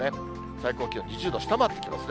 最高気温２０度下回ってきますね。